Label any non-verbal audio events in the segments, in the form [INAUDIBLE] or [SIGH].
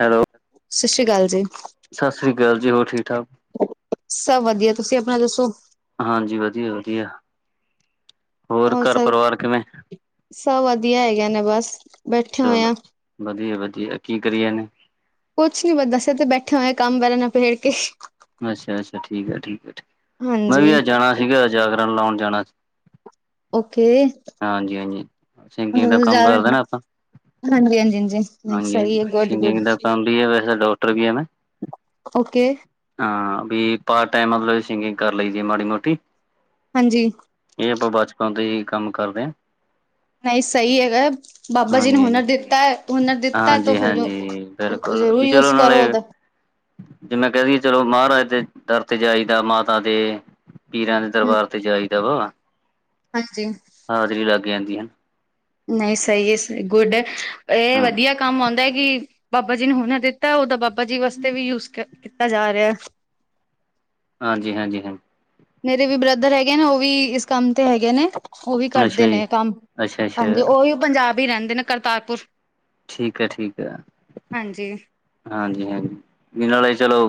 Hello. ਸਸ ਸ੍ਰੀ ਕਾਲ ਜੀ। ਸਸ ਸ੍ਰੀ ਕਾਲ ਜੀ। ਹੋਰ, ਠੀਕ-ਠਾਕ? ਸਭ ਵਧੀਆ। ਤੁਸੀ ਆਪਣਾ ਦੱਸੋ? ਹਾਂਜੀ, ਵਧੀਆ-ਵਧੀਆ। ਹੋਰ ਸ ਕਿਵੇਂ ਸਭ ਵਧੀਆ ਹੈਗੇ ਨੇ, ਬਸ ਬੈਠੇ ਹੋਏ ਆਂ। ਵਧੀਆ-ਵਧੀਆ। ਕੀ ਕਰੀ ਜਾਂਨੇ? ਕੁਛ ਨੀ ਬ ਦੱਸ ਤੇ ਬੈਠੇ ਹੋਏ ਆਂ ਕੰਮ ਬਰਾ ਨਪੇੜ ਕੇ। ਅੱਛਾ-ਅੱਛਾ, ਠੀਕ ਏ-ਠੀਕ ਏ-ਠੀਕ। ਮੈਂ ਵੀ ਹਾਂਜੀ ਅਜ ਜਾਣਾ ਸੀਗਾ ਜਾਗਰਣ ਲੌਣ ਜਾਣਾ ਸੀ। ਓਕੇ। ਹਾਂਜੀ ਹਾਂਜੀ [UNINTELLIGIBLE] ਸਿੰਗਿੰਗ ਦਾ ਕੰਮ ਹਾਂਜੀ, ਕਰਦੇ ਨਾ ਆਪਾਂ ਹਾਂਜੀ, ਹਾਂਜੀ। ਹਾਂਜੀ, ਸਹੀ ਹਾਂਜੀ, ਹੈ ਗੁੱਡ ਗੁੱਡ ਸਿੰਗਿੰਗ ਦਾ ਕੰਮ ਵੀ ਐ ਵੈਸੇ ਡਾਕਟਰ ਵੀ ਆਂ ਮੈਂ। ਓਕੇ। ਹਾਂ, ਬੀ ਪਾਰਟ ਟੈਮ ਮਤਲਬ ਸਿੰਗਿੰਗ ਕਰ ਲਈ ਦੀ ਐ ਮਾੜੀ-ਮੋਟੀ। ਹਾਂਜੀ। ਏ ਆਪਾਂ ਬਚਪਨ ਤੋਂ ਈ ਏਈ ਕੰਮ ਕਰਦੇ ਐਂ। ਨਈ ਸਈ ਹੈਗੈ। ਬਾਬਾ ਜੀ ਨੇ ਹਾਂਜੀ ਹੁਨਰ ਹਾਂਜੀ ਦਿੱਤੈ ਤ ਹੁਨਰ ਦਿੱਤੈ ਤੋ ਹਾਂਜੀ ਫਿਰ ਹਾਂਜੀ ਬਿਲਕੁਲ ਵੀ ਜਰੂਰੀ ਚਲੋ ਯੂਜ਼ ਕਰੋ ਨਾਲੇ ਓ ਤੇ। ਜੇ ਮੈਂ ਕਹਿੰਦੀ ਚਲੋ, ਮਹਾਰਾਜ ਦੇ ਦਰ ਤੇ ਜਾਈ ਦਾ, ਮਾਤਾ ਦੇ ਪੀਰਾਂ ਦੇ ਦਰਬਾਰ ਤੇ ਜਾਈਦਾ ਵਾ। ਹਾਂਜੀ। ਹਾਜ਼ਰੀ ਲੱਗ ਜਾਂਦੀ ਹਨਾ। ਨਹੀਂ, ਸਹੀ ਏਸ ਗੁੱਡ, ਇਹ ਹਾਂ ਵਧੀਆ ਕੰਮ ਆਉਂਦਾ ਏ ਕਿ ਬਾਬਾ ਜੀ ਨੇ ਹੁਣੇ ਦਿੱਤਾ, ਉਹਦਾ ਬਾਬਾ ਜੀ ਵਾਸਤੇ ਵੀ ਯੂਜ਼ ਕੇ ਕੀਤਾ ਜਾ ਰਿਹਾ। ਹਾਂਜੀ-ਹਾਂਜੀ-ਹਾਂਜੀ। ਮੇਰੇ ਵੀ ਬ੍ਰਦਰ ਹੈਗੇ ਨੇ, ਉਹ ਵੀ ਇਸ ਕੰਮ ਤੇ ਹੈਗੇ ਨੇ। ਉਹ ਵੀ ਅੱਛਾ ਕਰਦੇ ਨੇ ਜੀ ਏਹ ਕੰਮ। ਅੱਛਾ ਅੱਛਾ ਹਾਂਜੀ, ਉਹ ਵੀ ਪੰਜਾਬ ਈ ਰਹਿੰਦੇ ਨੇ, ਕਰਤਾਰਪੁਰ। ਠੀਕ ਐ, ਠੀਕ ਐ। ਹਾਂਜੀ ਹਾਂਜੀ-ਹਾਂਜੀ, ਇਹ ਨਾਲ ਏ ਚਲੋ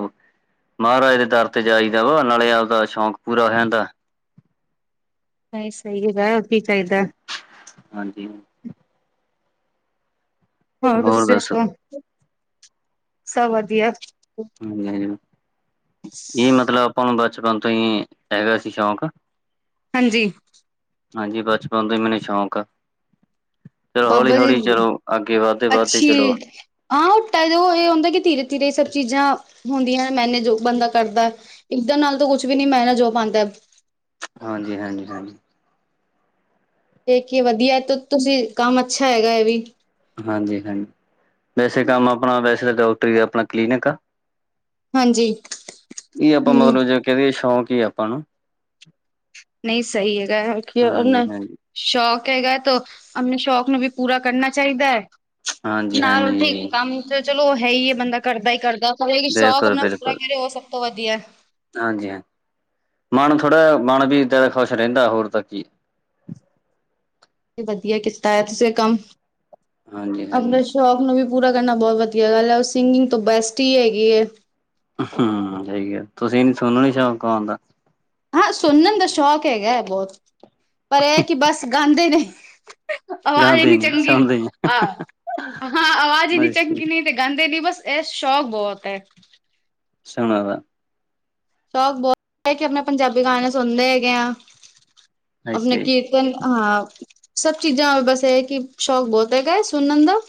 ਮਾਹਰਾਜ ਦੇ ਦਰ ਤੇ ਜਾਈ ਦਾ ਵਾ, ਨਾਲੇ ਆਪਦਾ ਸ਼ੌਕ ਪੂਰਾ ਹੋ ਜਾਂਦਾ। ਤਾਂ ਏਹ ਸਹੀ ਜਗ੍ਹਾ ਏ, ਹੋਰ ਕੀ ਚਾਹੀਦੇ। ਹਾਂਜੀ। ਹੋਰ ਤੁਸੀਂ [UNINTELLIGIBLE] ਸਭ ਵਧੀਆ। ਨਹੀ-ਨਹੀ ਮਤਲਬ ਆਪਾਂ ਨੂੰ ਬਚਪਨ ਤੋਂ ਈ, ਹੈਗਾ ਸੀ ਸ਼ੌਕ ਹਾਂਜੀ। ਹਾਂਜੀ, ਬਚਪਨ ਤੋਂ ਈ ਮੈਨੂੰ ਸ਼ੌਕ ਆ। ਤੇ ਉਹ ਬਾਬਾ ਜੀ ਹੌਲੀ-ਹੌਲੀ‌ ਚਲੋ, ਅੱਗੇ ਵੱਧਦੇ-ਵੱਧਦੇ ਅੱਛੀ ਚਲੋ ਹਾਂ, ਉਟਾ ਉਹ ਇਹ ਹੁੰਦਾ ਕਿ ਧੀਰੇ- ਧੀਰੇ ਇਹ ਸਭ ਚੀਜ਼ਾਂ ਹੁੰਦੀਆਂ ਮੈਨੇਜ, ਉਹ ਬੰਦਾ ਕਰਦਾ ਇੱਧਾਂ ਨਾਲ ਤਾਂ ਕੁਛ ਵੀ ਨੀ ਮੈਂਨਜ਼ ਹੋ ਪਾਂਦਾ। ਹਾਂਜੀ-ਹਾਂਜੀ-ਹਾਂਜੀ। ਤੇ ਇਕ ਏ ਵਧੀਆ ਤੇ ਤੁਸੀਂ ਕੰਮ ਅੱਛਾ ਹੈਗਾ ਐ ਵੀ ਹਾਂਜੀ-ਹਾਂਜੀ, ਵੈਸੇ ਕੰਮ ਆਪਣਾ, ਵੈਸੇ ਤਾਂ ਡਾਕਟਰੀ ਦਾ ਆਪਣਾ ਕਲੀਨਿਕ ਆ। ਹਾਂਜੀ ਇਹ ਆਪਾਂ ਹੂੰ ਮਤਲਬ ਜੇ ਕਹਿ ਦੀਏ ਸ਼ੌਂਕ ਈ ਏ ਆਪਾਂ ਨੂੰ ਨਹੀਂ, ਸਹੀ ਹੈਗਾ ਕਿ ਓ ਹਾਂਜੀ ਉਹਨਾ ਹਾਂਜੀ ਸ਼ੌਕ ਹੈਗਾ ਤੋ ਆਪਣੇ ਸ਼ੌਕ ਨੂੰ ਵੀ ਪੂਰਾ ਕਰਨਾ ਚਾਹੀਦਾ। ਹਾਂਜੀ ਨਾਲ ਉਥੇ ਈ ਹਾਂਜੀ ਕੰਮ ਤੇ ਚਲੋ ਹੈ ਈ ਏ ਬੰਦਾ ਕਰਦਾ ਈ ਕਰਦਾ, ਪਰ ਇਹ ਕੀ ਸ਼ੌਕ ਬਿਲਕੁਲ ਅਪਣਾ ਪੂਰਾ ਬਿਲਕੁਲ ਕਰੇ, ਉਹ ਸਭ ਤੋਂ ਵਧੀਆ। ਹਾਂਜੀ ਹਾਂ, ਮੱਣ ਥੋੜ੍ਹਾ ਮੱਣ ਵੀ ਏਦਾਂ ਦਾ ਖੁਸ਼ ਰਹਿੰਦਾ ਹੋਰ ਤਾਂ ਕੀ। ਵਧੀਆ ਕੀਤਾ ਤੁਸੀਂ ਐਹ ਕੰਮ। ਹਾਂਜੀ ਆਪਣੇ ਹਾਂਜੀ ਸ਼ੌਕ ਨੂੰ ਵੀ ਪੂਰਾ ਕਰਨਾ ਬਹੁਤ ਵਧੀਆ ਗੱਲ ਐ। ਸਿੰਗਿੰਗ ਤੋਂ ਬੈਸਟ ਈ ਹੈਗੀ ਏ। ਹੂੰ ਸਹੀ ਏ, ਤੁਸੀਂ ਨੀ ਤੁਹਾਨੂੰ ਨੀ ਸ਼ੌਂਕ ਗੌਣ ਦਾ। ਹਾਂ ਸੁਣਨ ਦਾ ਸ਼ੌਕ ਹੈਗਾ ਐ ਬਹੁਤ, ਪਰ ਇਹ ਕਿ ਬਸ ਗਾਂਦੇ ਨਹੀਂ। ਆਵਾਜ਼ ਈ ਗਾਉਂਦੇ ਨੀ ਚੰਗੀ ਸੁਣਦੇ ਆਹ, ਹਾਂ ਆਵਾਜ਼ ਈ ਨੀ ਅੱਛਾ ਚੰਗੀ ਨਹੀਂ ਤੇ ਗਾਂਦੇ ਨੀ ਬਸ ਇਹ ਸ਼ੌਕ ਬਹੁਤ ਐ। ਸੁਣਾ ਦਾ। ਸ਼ੌਕ ਬਹੁਤ ਕਿ ਆਪਣੇ ਪੰਜਾਬੀ ਗਾਣੇ ਸੁਣਦੇ ਹੈਗੇ ਆ, ਆਪਣੇ ਅੱਛਾ ਜੀ ਕੀ ਨ ਹਾਂ, ਸਭ ਚੀਜ਼ਾਂ ਬਸ ਇਹ ਕਿ ਸ਼ੌਕ ਬਹੁਤ ਹੈਗਾ ਐ, ਸੁਣਨ ਦਾ।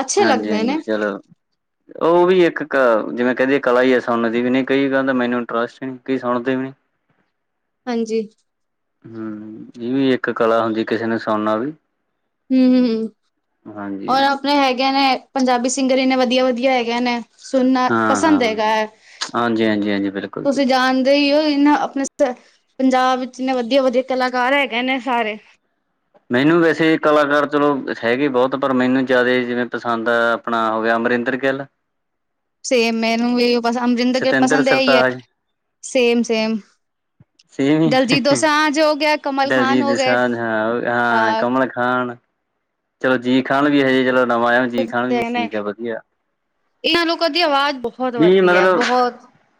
ਅੱਛੇ ਲੱਗਦੇ ਨੇ ਹਾਂਜੀ-ਹਾਂਜੀ ਚਲੋ। ਉਹ ਵੀ ਇੱਕ ਕਾ, ਜਿਵੇਂ ਕਹਿੰਦੇ ਕਲਾ ਈ ਐ ਸੁਣਨ ਦੀ ਵੀ, ਨਹੀਂ ਕਈ ਕਹਿੰਦੇ ਮੈਨੂੰ ਇੰਟਰਸਟ ਈ ਨਹੀਂ, ਕਈ ਸੁਣਦੇ ਵੀ ਹਾਂਜੀ। ਹੂੰ-ਹੂੰ ਇਹ ਵੀ ਇੱਕ ਕਲਾ ਹੁੰਦੀ, ਕਿਸੇ ਨੂੰ ਸੁਣਨਾ ਵੀ। ਹੂੰ-ਹੂੰ ਹਾਂਜੀ ਔਰ ਹਾਂਜੀ ਆਪਣੇ ਹੈਗੇ ਨੇ, ਪੰਜਾਬੀ ਸਿੰਗਰ ਇੰਨੇ ਵਧੀਆ-ਵਧੀਆ ਹੈਗੇ ਨੇ। ਸੁਣਨਾ ਪਸੰਦ ਹਾਂ-ਹਾਂ, ਹੈਗਾ ਐ। ਹਾਂਜੀ-ਹਾਂਜੀ-ਹਾਂਜੀ, ਤੁਸੀਂ ਬਿਲਕੁਲ-ਬਿਲਕੁਲ। ਜਾਣ ਇਹੀਓ ਏ ਨਾ, ਆਪਣੇ ਪੰਜਾਬ ਵਿੱਚ ਇੇਨੇ ਵਧੀਆ-ਵਧੀਆ ਕਲਾਕਾਰ ਹੈਗੇ ਨੇ ਸਾਰੇ। ਮੈਨੂੰ ਵੈਸੇ ਕਲਾਕਾਰ ਚਲੋ ਹੈਗੇ ਬੋਤ, ਪਰ ਮੈਨੂੰ ਜਾਦਾ ਈ ਜਿਵੇਂ ਪਸੰਦ ਐ ਅਪਣਾ ਹੋ ਗੇਆ ਅਮਰਿੰਦਰ ਗਿੱਲ ਸੇਮ ਮੈਨੂੰ ਵੀ ਅਈਓ ਪਸਂਦ, ਅਮਰਿੰਦਰ ਗਿਲ ਸਤਿੰਦਰ ਪਸੰਦ ਏ ਈ ਏ, ਸਰਤਾਜ, ਸੇਮ-ਸੇਮ। ਸੇਮ ਦਲਜੀਤ ਦੋਸਾਂਜ ਹੋ ਗੇਆ, ਕਮਲ ਖ਼ਾਨ ਦਲਜੀਤ ਹੋ ਗਏ ਦੋਸਾਂਝ ਹਾਂ, ਅ ਹਾਂ ਹ [INAUDIBLE] ਕਮਲ ਖਾਨ ਚਲੋ ਜੀ ਖਾਣ ਵੀ ਹਜੇ ਚਲੋ ਨਵਾਂ ਆ। ਜੀ ਖਾਨ ਵੀ ਠੀਕ [UNINTELLIGIBLE] ਵਧੀਆ ਇਨਾਂ ਲੋਕਾਂ ਦੀ ਆਵਾਜ ਬੋ ਵੀ ਮਤਲਬ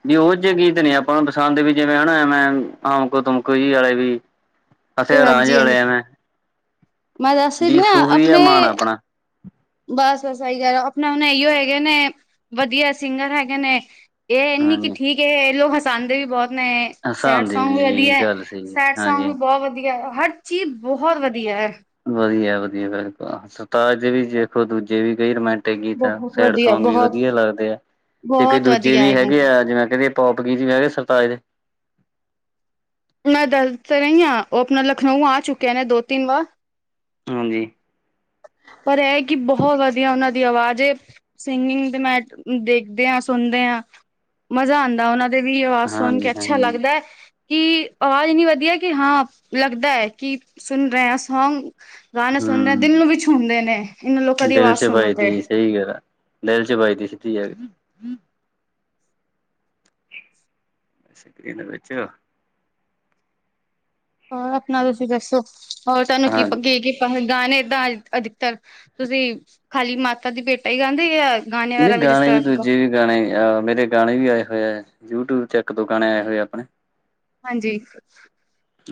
ਵੀ ਓ ਜੇ ਗੀਤ ਨੀ ਆਪਾਂ ਨੁ ਪਸੰਦ, ਵੀ ਜਿਵੇਂ ਹਨਾ ਐਵੇਂ ਆਮਕੋ ਤੁਮਕੋ ਜੀ ਅਲੇ ਵੀ। ਅਸੀ ਰਾਂਝ ਹਾਂਜੀ ਹਾਂਜੀ ਆਲੇ ਆ ਮੈਂ ਮੈਂ ਦਾੱਸ ਤੇ ਰੀ ਆਂ ਆ ਅਪਨੇ ਮਾਨ ਆਪਣਾ ਬਾੱਸ-ਬਾੱਸ ਸਈ ਕੈ ਰੇ, ਆਪਨੇ ਹੂਨ ਅਈਓ ਹੈਗੇ ਨੇ। ਵਦੀਆ ਸਿੰਗਰ ਹੈਗੇ ਨੇ, ਏ ਏਨੀ ਕਿ ਹਾਂਜੀ ਠੀਕ ਏ, ਏ ਲੋਕ ਹਸਾਂਦੇ ਵੀ ਬੋਤ ਨੇ। ਸੈਡ ਹਸਾਂਦੀ ਸੌਂਗ ਵੀ ਵਦੀਐ, ਗੱਲ ਸਹੀ ਸੈਡ ਹਾਂਜੀ। ਸੌਂਗ ਵੀ ਬੋਤ ਵਦੀਐ, ਹਰ ਚੀਜ ਬੋਹਤ ਵਦੀਐ। ਵਦੀਐ-ਵਦੀਐ, ਬਿਲਕੁਲ ਸਰਤਾਜ ਦੇ ਵੀ ਦੇਖੋ, ਦੂਜੇ ਵੀ ਕਂਈ ਰੋਮੈਂਟਿਕ ਗੀ ਗੀਤ ਆ, ਬਹੁਤ ਸੈਡ ਵਧੀਆ ਸੌਂਗ ਵੀ ਬਹੁਤ ਵਦੀਆ ਲੱਗਦੇ ਆ, ਤੇ ਕਈ ਬਹੁਤ ਦੂਜੇ ਵਧੀਆ ਵੀ ਹੈਗਾ ਹੈਗੇ ਆ ਜਿਵੇਂ ਕੈਂਦੇ ਪੋਪ ਗੀ ਜਿਂਵੇ ਏ ਸਰਤਾਜ ਦੇ ਮੈਂ ਦੱਸ ਤਾਂ ਰਈ ਆਂ, ਓ ਅਪਨਾ ਲਖਨਊ ਆ ਚੁੱਕੇ ਨੇ ਦੋ-ਤਿੰਨ ਵਾਰ। ਹਾਂਜੀ। ਪਰ ਐ ਹੈ ਕਿ ਬੋਹਤ ਵਦੀਆ ਓਨਾਂ ਦੀ ਅਵਾਜ ਏ। ਸਿੰਗਿੰਗ ਤੇ ਮੈਟ ਦੇਖਦੇ ਆਂ, ਸੁਨਦੇ ਆਂ, ਮਜ਼ਾ ਆਦੈ ਉਨਾਂ ਦਾ ਦੇ ਵੀ ਅਵਾਜ ਸੁਨ ਕੇ ਹਾਂਜੀ ਅੱਛਾ ਹਾਂਜੀ ਲੱਗਦੈ। ਕਿ ਅਵਾਜ ਇੰਨੀ ਵਦੀਐ, ਕਿ ਹਾਂ ਲੱਗਦੈ ਕਿ ਸੁਨ ਰੇ ਆਂ ਸੌਂਗ। ਗਾਨੇ ਸੁਨਨੇ ਆਂ, ਹਮ ਦਿਲ ਨੂੰ ਵੀ ਛੂਦੇਂ ਨੇ, ਇਨਾਂ ਲੋਕਾਂ ਦੀ ਅਵਾਜ਼ ਸੁਨੋ ਤੇ। ਠੀਕ ਏ ਨਾ। [UNINTELLIGIBLE] ਦੀ ਸਿੱਦੀ ਆਕੇ। ਸੱਕਰੀਨ ਵਿੱਚੋ ਹੋਰ ਅਪਨਾ ਤੂਸੀ ਦੱਸੋ, ਹੋਰ ਤੂਆਨੂੰ ਕੀ ਹਾਂ ਪ ਕਿ ਗਿਫ ਅਹ ਗਾਨੇ ਦਾਂ ਅਧਿਕਤਰ, ਤੂਸੀ ਖਾਲੀ ਮਾਤਾ ਦੀ ਭੇਂਟਾ ਈ ਗਾਂਦੇ ਓ ਯਾ ਗਾਨੇ ਵੈਰਾ ਨਹੀਂ ਵੀ ਜਿਸ ਗਾਣੇ ਤਰਾਂ ਗਾ ਦੂਜੇ ਵੀ ਗਾਣੇ ਆ, ਮੇਰੇ ਗਾਣੇ ਵੀ ਆਏ ਹੋਏ ਐ, ਯੂਟਿਊਬ ਚ ਇੱਕ-ਦੋ ਗਾਣੇ ਆਏ ਹੋਏ ਆ ਅਪਣੇ। ਹਾਂਜੀ।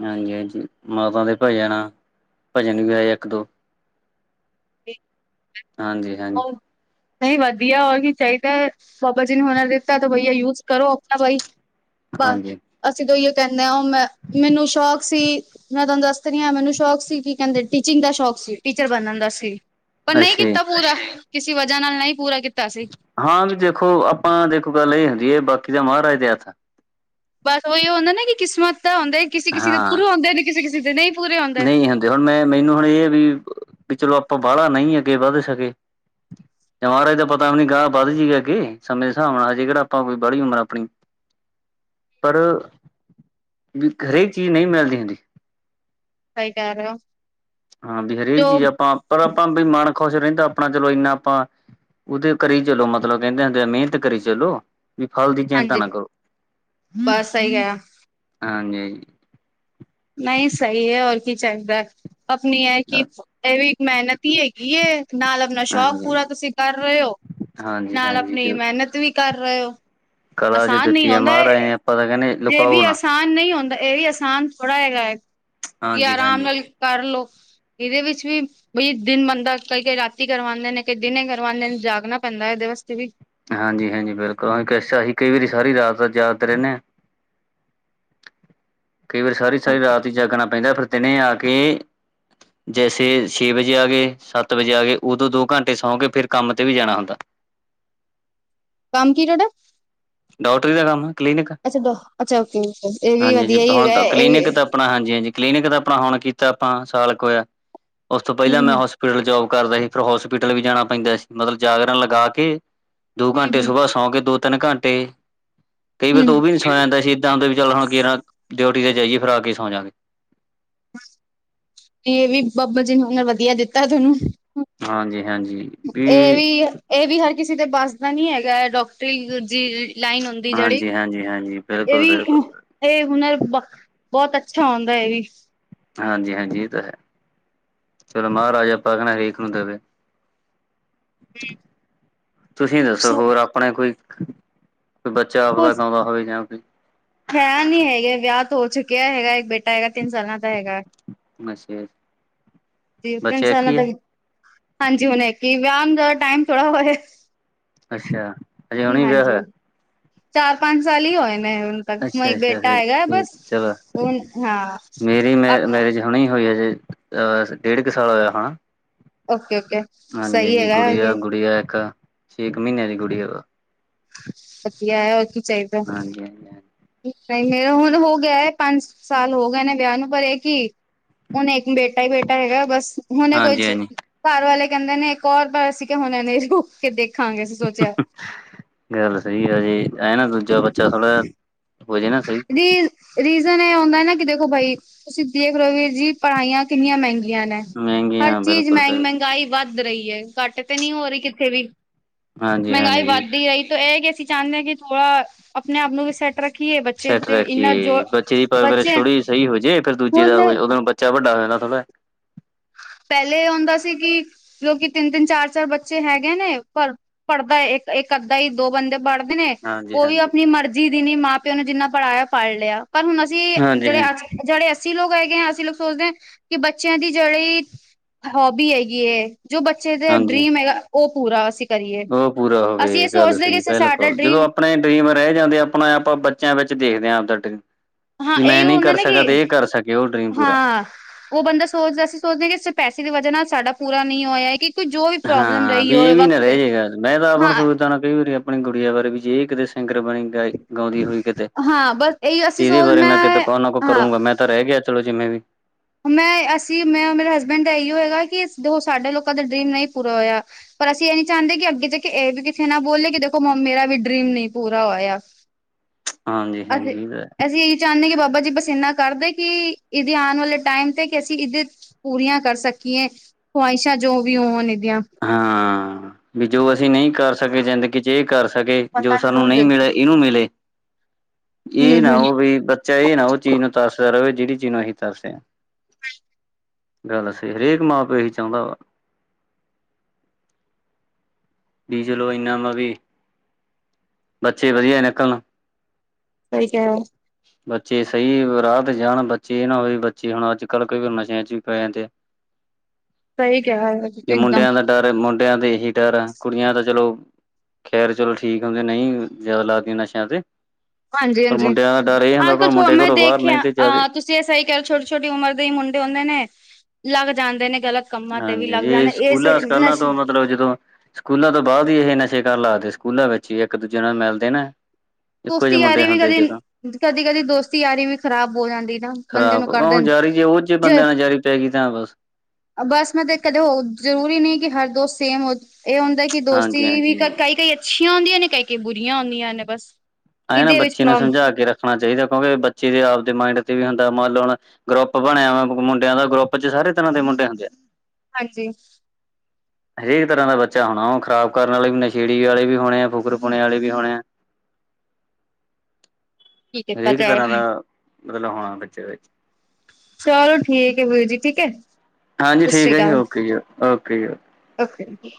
ਹਾਂਜੀ-ਹਾਂਜੀ, ਮਾਤਾ ਦੇ ਭਜਨ ਆ, ਭਜਨ ਵੀ ਆਏ ਆ ਇੱਕ-ਦੋ। [INAUDIBLE] ਹਾਂਜੀ ਹਾਂਜੀ ਨਈ ਵਦੀਆ, ਹੋਰ ਕੀ ਚਾਈਦੈ, ਬਾਬਾ ਜੀ ਨੂ ਓਨੇ ਦਿੱਤੈ, ਤੇ ਭਈਆ ਯੂਜ਼ ਕਰੋ, ਅਪਨਾ ਬਾਈ। ਬਾ ਹਾਂਜੀ ਅਸੀ ਤੇ ਅਈਓ ਕੈਂਨੇ ਆਂ, ਓ ਮੈਂ, ਮੈਨੂੰ ਸ਼ੌਂਕ ਸੀ। ਮੈਂ ਤੂਆਨੂੰ ਦਾੱਸ ਤੇ ਰੀ ਆਂ, ਮੈਨੂੰ ਸ਼ੌਕ ਸੀ, ਕੀ ਕੈਂਦੇ ਟੀਚਿੰਗ ਦਾ ਸ਼ੌਂਕ ਸੀ, ਟੀਚਰ ਬਨਨ ਦਾਸ। ਤੀ, ਪਰ ਨਈ ਅੱਛਾ ਜੀ ਕੀਤਾ ਪੂਰਾ, ਕਿਸੀ ਵਜਾ ਨਾਲ ਨਈ ਪੂਰਾ ਕੀਤਾ ਅਸੀ। ਹਾਂ, ਵੀ ਦੇਖੋ ਆਪਾਂ ਦੇਖੋ, ਗੱਲ ਏ ਹੁੰਦੀ ਐ, ਬਾਕੀ ਦਾ ਮਹਾਰਾਜ ਦੇ ਹੱਥ ਐ। ਬਸ ਓਈ ਹੁੰਦੈ ਨਾ, ਕਿ ਕਿਸਮਤ ਹੁੰਦੈ, ਕਿਸੀ-ਕਿਸੀ ਦੇ ਹਾਂ ਪੁਰੇ ਹੋਂਦੇ ਨੇ, ਕਿਸੀ-ਕਿਸੀ ਦੇ ਨਈ। ਨਹੀਂ ਹੁੰਦੇ ਹੁਨ ਮੈਂ, ਮੈਨੂੰ ਹੁਨ ਏ ਐ ਵੀ, ਵੀ ਚਲੋ ਅਪਾਂ ਬਾਲਾ ਨਈ ਅੱਗੇ ਵੱਦ ਸਕੇ। ਜੇ ਮਹਾਰਾਜ ਦਾ ਪਤਾ ਵੀ ਨੀ ਗਾ ਵੱਦ ਜੀਗਾ ਕਿ ਸਮੇਂ ਦੇ ਸ੍ਹਾਬ ਨਾਲ, ਅਜੇ ਕੇੜਾ ਅਪਾਂ ਕੋਈ ਬੜੀ ਉਮਰ ਆਪਣੀ। [UNINTELLIGIBLE] [INAUDIBLE] ਪਰ, ਵੀ ਹਰੇਕ ਚੀਜ ਨਈ ਮਿਲਦੀ ਹੁੰਦੀ। ਸਈ ਕੈ ਰੇ ਓ। ਹਾਂ ਵੀ ਹਰੇਕ ਚੀਜ਼ ਆਪਾਂ ਪਰ ਆਪਾਂ ਬਈ ਮਨ ਖੁਸ਼ ਰਹਿੰਦਾ ਆਪਣਾ ਚਲੋ ਇੰਨਾ ਆਪਾਂ। ਉਹਦੇ ਕਰੀ ਚਲੋ ਮਤਲਬ ਕਹਿੰਦੇ ਹੁੰਦੇ ਆ ਮਿਹਨਤ ਕਰੀ ਚਲੋ। ਵੀ ਫਲ ਦੀ ਚਿੰਤਾ ਹਾਂਜੀ ਨਾ ਕਰੋ ਬਸ ਸਹੀ ਕਿਹਾ ਹਾਂਜੀ। ਨਹੀਂ ਸਈ ਐ ਔਰ ਕੀ ਚਾਹੀਦਾ ਆਪਣੀ ਐ ਹਾਂਜੀ ਕਿ। ਇਹ ਵੀ ਇੱਕ ਮਿਹਨਤ ਈ ਹੈਗੀ ਐ ਨਾਲ ਆਪਣਾ ਸ਼ੌਕ ਹਾਂਜੀ ਪੂਰਾ ਤੁਸੀਂ ਕਰ ਰੇ ਓ ਹਾਂਜੀ ਹਾਂਜੀ ਨਾਲ ਹਾਂਜੀ ਆਪਣੀ ਮਿਹਨਤ ਵੀ ਕਰ ਰੇ ਓ। ਕਲਾ ਜੋ ਆਸਾਨ ਨੀ ਦਿੱਤੀ ਹੈ ਹੁੰਦਾ ਮਹਾਰਾਜ ਏ ਨੇ ਆਪਾਂ ਤਾਂ ਕਹਿੰਦੇ [UNINTELLIGIBLE] ਲੁਕਾਓ ਵੀ ਨਾ। ਆਸਾਨ। ਨਹੀਂ ਹੁੰਦਾ ਇਹ ਵੀ ਆਸਾਨ ਥੋੜ੍ਹਾ ਹੈਗਾ ਏ ਕਿ ਹਾਂਜੀ ਆਰਾਮ ਹਾਂਜੀ। ਨਾਲ ਕਰਲੋ। ਇਦੇ ਵਿੱਚ ਵੀ। ਬਈ ਦਿਨ ਬਣਦਾ ਕਈ ਕਈ ਰਾਤੀ ਕਰਵਾਂਦੇ ਨੇ ਕਈ ਦਿਨ ਕਰਵਾਂਦੇ ਨੇ ਜਾਗਣਾ ਪੈਂਦਾ ਏਦੇ ਵਾਸਤੇ ਵੀ। ਹਾਂਜੀ ਹਾਂਜੀ, ਬਿਲਕੁਲ ਹਾਂ ਅਸੀਂ ਕਈ ਵਾਰੀ ਸਾਰੀ ਰਾਤ ਦਾ ਜਾਗਦੇ ਰਹਿੰਦੇ ਆ। [INAUDIBLE] ਕਈ ਵਾਰੀ ਸਾਰੀ ਸਾਰੀ ਰਾਤ ਹੀ ਜਾਗਣਾ ਪੈਂਦਾ ਫਿਰ ਦਿਨੇ ਆ ਕੇ। ਜੈਸੇ ਛੇ ਵਜੇ ਆ ਗਏ ਸੱਤ ਵਜੇ ਆ ਗਏ ਉਦੋਂ ਦੋ ਘੰਟੇ ਸੌਂ ਕੇ ਫਿਰ ਕੰਮ ਤੇ ਵੀ ਜਾਣਾ ਹੁੰਦਾ। ਕੰਮ ਕੀ ਥੋਡਾ। ਡਾਕਟਰੀ ਦਾ ਕੰਮ ਕਲੀਨਿਕ ਅੱਛਾ ਡੋ- ਅੱਛਾ ਓਕੇ ਇਹ ਵੀ ਹਾਂਜੀ ਹਾਂਜੀ ਵਧੀਆ ਹੀ ਹੁਣ ਹੈਗਾ ਹੈ, ਇਹ ਕਲੀਨਿਕ ਤਾਂ। ਵੀ ਆਪਣਾ ਹਾਂਜੀ ਹਾਂਜੀ ਕਲੀਨਿਕ ਦਾ ਆਪਣਾ ਹੁਣ ਕੀਤਾ ਆਪਾਂ ਸਾਲ ਕ ਹੋਇਆ ਉਸ ਤੋਂ ਹਮ ਪਹਿਲਾਂ ਮੈਂ ਹੋਸ ਪਿਟਲ ਜੋਬ ਕਰਦਾ ਸੀ ਫਿਰ ਹੋਸਪਿਟਲ ਵੀ ਜਾਣਾ ਪੈਂਦਾ ਸੀ ਮਤਲਬ ਜਾਗਰਣ ਲਗਾ ਕੇ। ਦੋ ਘੰਟੇ ਹਮ ਹਮ ਹਮ ਸੁਬ ਸੌ ਕੇ ਦੋ ਤਿੰਨ ਘੰਟੇ ਕਈ ਹਮ ਵਾਰ ਤਾਂ ਹਮ। ਓ ਵੀ ਨੀ ਸੌਇਆ ਜਾਂਦਾ ਸੀ। ਏਦਾਂ ਹੁੰਦਾ ਵੀ ਚੱਲ ਹੁਣ ਕੇਰਾ ਡਿਊਟੀ ਤੇ ਜਾਈਏ ਫੇਰ ਆ ਕੇ ਸੌ ਜਾਂਗੇ। ਨਹੀਂ ਏ ਵੀ ਬਾਬਾ ਜੀਨ ਨੇ ਵਧੀਆ ਦਿੱਤਾ ਥੋਨੂੰ। ਹਾਂਜੀ ਹਾਂਜੀ। ਏ ਵੀ ਏ ਵੀ ਹਰ ਕਿਸੇ ਦੇ ਬੱਸ ਦਾ ਨੀ ਹੈਗਾ ਡਾਕਟਰੀ ਜੀ ਲਾਈਨ ਹੁੰਦੀ। ਜਿਹੜੀ ਹਾਂਜੀ ਹਾਂਜੀ, ਹਾਂਜੀ ਇਹ ਬਿਲਕੁਲ ਵੀ ਬਿਲਕੁਲ। ਇਹ ਹੁਨਰ ਬ ਬਹੁਤ ਅੱਛਾ ਹੁੰਦਾ ਏ ਵੀ। ਹਾਂਜੀ ਹਾਂਜੀ ਇਹ ਤਾਂ ਹੈ। ਚਲੋ ਮਹਾਰਾਜ ਆਪਾਂ ਕਹਿਣਾ ਹਰੇਕ ਨੂੰ ਦੇਵੇ। ਹੂੰ, ਤੁਸੀਂ ਦੱਸੋ ਹੋਰ ਆਪਣੇ ਕੋਈ ਕੋਈ ਬੱਚਾ ਆਪਦਾ ਕੁਛ ਗਾਉਂਦਾ ਹੋਵੇ ਜਾਂ ਕੋਈ। ਹੈ ਨੀ ਹੈਗੇ ਵਿਆਹ ਤੋਂ ਹੋ ਚੁੱਕਿਆ ਹੈਗਾ ਇੱਕ ਬੇਟਾ ਹੈਗਾ ਤਿੰਨ ਸਾਲਾਂ ਦਾ ਹੈਗਾ। ਅੱਛਾ, ਤਿ ਤਿੰਨ ਬੱਚੇ ਇੱਕ ਸਾਲਾਂ ਹੀ ਤ ਹੈ ਹਾਂਜੀ ਹੁਣੇ ਕਿ ਵਿਆਹ ਨੂੰ ਥੋੜ੍ਹਾ ਟਾਈਮ ਥੋੜਾ ਹੋਇਆ। ਅੱਛਾ ਅਜੇ ਹੁਣੀ ਵਿਆਹ ਹੋਇਆ। ਹਾਂਜੀ। ਚਾਰ ਪੰਜ ਸਾਲ ਹੀ ਹੋਏ ਨੇ ਹੁਣ ਤੱਕ ਹੁਣ ਅੱਛਾ ਇੱਕ ਅੱਛਾ ਬੇਟਾ ਫਿਰ ਹੈਗਾ ਫਿਰ ਬਸ। ਚਲੋ ਹੁਣ ਹਾਂ ਮੇਰੀ ਮੈ ਆਪਣਾ ਮੈਰਿਜ ਹੁਣੇ ਹੋਈ ਆ ਜੀ ਅਜੇ ਡੇਢ ਕ ਸਾਲ ਹੋਇਆ ਹੁਣ। Okay okay. ਹਾਂਜੀ ਸਹੀ ਹਾਂਜੀ, ਗੁੜੀਆਂ ਹੈਗਾ ਗੁੜੀਆਂ ਇੱਕ ਛੇ ਕ ਮਹੀਨੇ ਦੀ ਗੁੜੀਆਂ। ਵਧੀਆ ਹੋਰ ਕੀ ਚਾਹੀਦਾ। ਹਾਂਜੀ ਹਾਂਜੀ ਨਹੀਂ ਮੇਰਾ ਹੁਣ ਹੋ ਗਿਆ ਐ ਪੰਜ ਸਾਲ ਹੋ ਗਏ ਨੇ ਵਿਆਹ ਨੂੰ, ਪਰ ਇਹ ਕਿ ਹੁਣ ਇੱਕ ਬੇਟਾ ਈ ਬੇਟਾ ਹੈਗਾ ਬਸ। ਹੁਣੇ ਕੋਈ ਹਾਂਜੀ ਹਾਂਜੀ ਘਰ ਵਾਲੇ ਕਹਿੰਦੇ ਨੇ ਇੱਕ ਹੋਰ ਪਰ ਅਸੀਂ ਕਹਿ ਹੁਣੇ ਨੀ ਰੁੱਕ ਕੇ ਦੇਖਾਂਗੇ ਸੋਚਿਆ। ਗੱਲ ਸਹੀ ਆ ਜੀ ਐ ਨਾ ਦੂਜਾ ਬੱਚਾ ਥੋੜਾ ਹੋਜੇ ਨਾ ਸਈ। ਦੀ ਰੀਜਨ ਇਹ ਹੁੰਦਾ ਨਾ ਕਿ ਦੇਖੋ ਬਾਈ ਤੁਸੀਂ ਦੇਖ ਰਹੋ ਵੀਰ ਜੀ ਪੜ੍ਹਾਈਆਂ ਕਿੰਨੀਆਂ ਮਹਿੰਗੀਆਂ ਨੇ ਮਹਿੰਗੇ ਹਰ ਹਾਂ ਚੀਜ਼ ਬਿਲਕੁਲ ਮਹਿੰਗ ਬਿਲਕੁਲ ਮਹਿੰਗਾਈ ਵੱਧ ਵੱਧ ਰਹੀ ਹੈ। ਘੱਟ ਤੇ ਨਹੀਂ ਹੋ ਰਹੀ। ਕਿੱਥੇ ਵੀ, ਹਾਂਜੀ ਮਹਿੰਗਾਈ ਹਾਂਜੀ ਵੱਧਦੀ ਰਹੀ ਤੇ ਇਹ ਕਿ ਅਸੀਂ। ਚਾਹਨੇ ਕਿ ਥੋੜਾ ਆਪਣੇ ਆਪ ਨੂੰ ਸੈਟ ਰੱਖੀਏ। ਬ ਸੈੱਟ ਰੱਖੀਏ। ਬੱਚੇ ਦੀ ਪਰਵਰਿਸ਼ ਥੋੜ੍ਹੀ ਸਹੀ ਹੋ ਜਾਏ। ਫੇ਼ਰ ਦੂਜੇ ਦਾ ਹੁਣ ਉਦੋਂ ਚਾ ਵੱਡਾ ਹੋ ਜਾਏ ਥੋੜਾ। ਪਹਿਲੇ ਹੁੰਦਾ ਸੀ ਕਿ ਲੋਕੀ ਤਿੰਨ -ਤਿੰਨ ਚਾਰ- ਚਾਰ ਬੱਚੇ ਹੈਗੇ ਨੇ। ਪਰ ਪੜ੍ਹਦਾ ਇੱਕ- ਇੱਕ -ਅੱਧਾ ਹੀ। ਦੋ ਬੱਚੇ ਪੜ੍ਹਦੇ ਨੇ ਹਾਂਜੀ ਉਹ ਵੀ ਹਾਂਜੀ ਆਪਣੀ ਮਰਜ਼ੀ ਦੀ ਨੀ। ਮਾਂ ਪਿਓ ਨੂੰ ਜਿੰਨਾ ਪੜ੍ਹਾਇਆ ਪੜ੍ਹ ਲਿਆ। ਪਰ ਹੁਣ ਅਸੀਂ ਕੀ ਹਾਂਜੀ ਜਿਹੜੇ ਹਾਂ ਅ ਜਿਹੜੇ ਅਸੀਂ ਲੋਕ ਹੈਗੇ ਆ। ਅਸੀਂ ਲੋਕ ਸੋਚਦੇ ਹਾਂ। ਕਿ ਬੱਚਿਆਂ ਦੀ ਜਿਹੜੀ ਹੋਬੀ ਹੈਗੀ ਹੇ। ਜੋ ਬੱਚੇ ਦਾ ਹਾਂਜੀ ਡਰੀਮ ਹੈਗਾ। ਉਹ ਪੂਰਾ ਸੀ। ਉਹ ਪੂਰਾ ਹੋਵੇ। ਇਹ ਗੱਲ ਸਹੀ ਸਾਡਾ ਬਿਲਕੁਲ ਜਦੋਂ ਡਰੀਮ ਆਪਣੇ ਡਰੀਮ ਰਹਿ ਜਾਂਦੇ। ਆਪਣਾ ਆਪਾਂ ਬੱਚਿਆਂ ਵਿੱਚ ਦੇਖਦੇ ਹਾਂ। ਆਦਤ ਏ ਹਾਂ ਕੀ ਮੈਂ ਇਹੀਓ ਨਹੀਂ ਹੁੰਦਾ ਕਰ ਨਾ ਸਕਿਆ। ਕਿ ਤੇ ਇਹ ਕਰ ਸਕੇ ਉਹ ਡਰੀਮ ਪੂਰਾ। ਹਾਂ ਉਹ ਬੰਦਾ ਸੋਚਦਾ। ਅਸੀਂ ਸੋਚਦੇ ਕਿ ਇਸ ਪੈਸੇ ਦੀ ਵਜ੍ਹਾ ਨਾਲ ਸਾਡਾ ਪੂਰਾ ਨਹੀਂ ਹੋਇਆ ਹੈ। ਕਿ ਕੋਈ ਜੋ ਵੀ ਪ੍ਰੋਬਲਮ ਹਾਂ ਰਹੀ ਵੀ ਹੋਵੇ ਇਹ ਵੀ ਨਾ ਵਕਤ ਰਹੇ ਤੇ ਜੇ। ਮੈਂ ਤਾਂ ਆਪੁਣ ਸ ਹਾਂ ਕਈ ਵਾਰੀ ਆਪਣੀ ਗੁੜੀਆ ਬਾਰੇ ਵੀ ਜੇ ਕਿਤੇ ਸਿੰਗਰ ਬਣ ਹੀ ਜਾਏ। ਗਾਉਂਦੀ ਹੋਈ। ਕਿਤੇ ਹਾਂ ਬਸ ਇਹੀ ਅਸੀਂ ਤੇ ਇਹਦੇ ਸੋਚ ਬਾਰੇ ਮੈਂ ਕਿਤੇ ਕ ਨਾ ਕੋ ਹਾਂ ਕਰੂੰਗਾ। ਮੈਂ ਤਾਂ ਰਹਿ ਗਿਆ। ਚਲੋ ਜਿਵੇਂ ਵੀ ਮੈਂ ਅਸੀਂ ਮੈਂ ਮੇਰੇ ਹਸਬੈਂਡ ਦਾ ਇਹੀ ਹੈਗਾ। ਕਿ ਸਾਡੇ ਲੋਕਾਂ ਦਾ ਡਰੀਮ ਨਹੀਂ ਪੂਰਾ ਹੋਇਆ। ਪਰ ਅਸੀਂ ਇਹ ਨੀ ਚਾਹੁੰਦੇ। ਕਿ ਅੱਗੇ ਜਾ ਕੇ ਇਹ ਵੀ ਕਿਤੇ ਨਾ ਬੋਲੇ। ਕਿ ਦੇਖੋ ਮਮੀ ਦਾ ਵੀ ਡਰੀਮ ਨਹੀਂ ਪੂਰਾ ਹੋਇਆ। [INAUDIBLE] ਹਾਂਜੀ ਅੱ ਹਾਂਜੀ ਅਸੀਂ ਇਹੀ ਚਾਹੁੰਦੇ ਹਾ। ਕਿ ਬਾਬਾ ਜੀ ਬੱਸ ਏਨਾ ਕਰਦੇ। ਕਿ ਇਹਦੇ ਆਉਣ ਵਾਲੇ ਟਾਈਮ ਤੇ। ਕਿ ਅਸੀਂ ਇਹਦੇ ਪੂਰੀਆਂ ਕਰ ਸਕੀਏ ਖਵਾਹਿਸ਼ਾਂ। ਜੋ ਵੀ ਹੋਣ ਇਹਦੀਆਂ। ਹਾਂ ਹਾਂ ਵੀ ਜੋ ਅਸੀਂ ਨਹੀਂ ਕਰ ਸਕੇ ਜ਼ਿੰਦਗੀ ਚ ਏ ਕਰ ਸਕੇ। ਜੋ ਪਤਾ ਨੀ ਸਾਨੂੰ ਹੂੰ ਨਹੀਂ ਮਿਲੇ ਇਹਨੂੰ ਮਿਲੇ। ਇਹ ਨਾ ਹੂੰ ਹੋਵੇ। ਬੱਚਾ ਇਹ ਨਾ ਹੋਵੇ। ਹੋਰ ਚਾਹੀਦਾ। ਦੱਸਦਾ ਰਹੇ ਜਿਹੜੀ ਚੀਜ ਨੂੰ ਅਸੀਂ ਨੀ ਦੱਸਦੇ। ਗੱਲ ਸਹੀ ਹਰ ਏਕ ਮਾਂ ਪਿਓ ਹੀ ਚਾਹੁੰਦਾ ਵਾ। ਵੀ ਚਲੋ ਏਨਾ ਮਾਂ ਵੀ, ਬੱਚੇ ਵਧੀਆ ਨਿਕਲਣ। ਸਹੀ ਕਿਆਉ। ਬੱਚੇ ਸਹੀ ਰਾਹ ਤੇ ਜਾਣ। ਬੱਚੇ ਇਹ ਨਾ ਹੋਏ ਬੱਚੇ ਹੁਣ ਅੱਜ ਕੱਲ੍ਹ ਕਈ ਵਰ ਨਸ਼ਿਆਂ ਚ ਪੈ ਜਾਏ। ਸਹੀ ਕਹਿਆ ਵੀ ਇਕਦਮ। ਮੁੰਡਿਆਂ ਦਾ ਡਰ ਮੁੰਡਿਆਂ ਦੇ ਏਹੀ ਡਰ ਹੈ। ਕੁੜੀਆਂ ਤਾਂ ਚਲੋ ਖੈਰ ਚਲੋ ਠੀਕ ਹੁੰਦੇ ਨਹੀਂ। ਜਿਆਦਾ ਲਗਦੀਆਂ ਨਸ਼ਿਆਂ ਤੇ ਹਾਂਜੀ ਪਰ ਹਾਂਜੀ, ਮੁੰਡਿਆਂ ਦਾ ਡਰ ਇਹ ਹੁੰਦਾ ਕਿ ਅਜੱਕਲ ਸੋ ਮੁੰਡੇ ਮੈਂ ਘਰੋਂ ਬਾਹਰ ਨਹੀਂ ਦੇਖਿਆ ਤੇ ਜ਼ਿਆਦੇ ਅ ਤੁਂ ਤੇ ਸਹੀ ਕਹਿਆ ਛੋਟੀ ਛੋਟੀ ਉਮਰ ਦੇ ਹੀ ਮੁੰਡੇ ਹੁੰਦੇ ਨੇ ਲੱਗ ਜਾਂਦੇ ਨੇ ਗਲਤ ਹਾਂਜੀ, ਹਾਂਜੀ ਇਹ ਸਕੂਲਾਂ ਸਕਾਲਾਂ ਤੋਂ। ਮਤਲਬ ਜਦੋਂ ਸਕੂਲਾਂ ਤੋਂ ਬਾਅਦ ਹੀ ਇਹ ਨਸ਼ੇ ਕਰ ਲਾਦੇ ਸਕੂਲਾਂ ਵਿੱਚ ਹੀ ਇੱਕ ਦੂਜੇ ਨਾਲ ਮਿਲਦੇ ਨਾ। ਇੱਕੋ ਦੋਸਤੀ ਜਿਹੇ ਮੁੰਡੇ ਯਾਰੀ ਵੀ ਹੁੰਦੇ ਕਦੇ ਜਦੋਂ ਕਦੀ ਕਦੀ ਦੋਸਤੀ ਯਾਰੀ ਵੀ ਖਰਾਬ ਹੋ ਜਾਂਦੀ। ਨਾ ਬੰਦੇ ਨੂੰ ਖ਼ਰਾਬ ਕਰ ਉਹ ਦੇਣ ਯਾਰੀ ਜੇ ਉਹ ਜੇ ਬੰਦਿਆਂ ਨਾਲ ਯਾਰੀ ਪੈ ਗਈ। ਤਾਂ ਬਸ ਬਸ ਮੈਂ ਤੇ ਕਦੇ ਹੋ ਜਰੂਰੀ ਨਹੀਂ ਕਿ ਹਰ ਦੋਸਤ ਸੇਮ ਇਹ ਹੁੰਦਾ ਕਿ ਹਾਂਜੀ ਦੋਸਤੀ ਵੀ ਹਾਂਜੀ ਕ ਕਈ ਕਈ ਅੱਛੀਆਂ ਹੁੰਦੀਆਂ ਨੇ ਕਈ ਕਈ ਬੁਰੀਆਂ ਹੁੰਦੀਆਂ ਨੇ ਬਸ। ਐਂ ਨਾ ਇਹਦੇ ਵਿੱਚ ਬੱਚੇ ਨੂੰ ਪ੍ਰੋਬ ਸਮਝਾ ਕੇ ਰੱਖਣਾ ਚਾਹੀਦਾ ਕਿਉਂਕਿ ਬੱਚੇ ਦੇ ਆਪ ਦੇ ਮਾਇੰਡ ਤੇ ਵੀ ਹੁੰਦਾ ਮੰਨ ਲਓ ਹੁਣ। ਗਰੁੱਪ ਬਣਿਆ ਵਾ ਮੁੰਡਿਆਂ ਦਾ ਗਰੁੱਪ ਚ ਸਾਰੇ ਤਰ੍ਹਾਂ ਦੇ ਮੁੰਡੇ ਹੁੰਦੇ ਆ। ਹਾਂਜੀ ਹਰੇਕ ਤਰ੍ਹਾਂ ਦਾ ਬੱਚਾ ਹੋਣਾ ਉਹ ਖਰਾਬ ਕਰਨ ਵਾਲੇ ਵੀ ਨਸ਼ੇੜੀ ਵਾਲੇ ਵੀ ਹੋਣੇ ਆ ਫੁਕਰਪੁਣੇ ਵਾਲੇ ਵੀ ਹੋਣੇ ਆ। [INAUDIBLE] ਕੀ ਕੀਤਾ ਹਰੇਕ ਤਰ੍ਹਾਂ ਜਾਏ ਦਾ, ਮਤਲਬ ਹੋਣਾ ਬੱਚੇ ਵਿੱਚ। ਚਲੋ ਠੀਕ ਹੈ ਵੀਰ ਜੀ ਠੀਕ ਏ। ਹਾਂਜੀ ਠੀਕ ਹੈ ਜੀ ਓਕੇ ਜੀ, ਓਕੇ ਜੀ ਓ। ਓਕੇ ਜੀ।